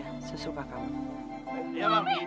kamu kebetulan skalilin sih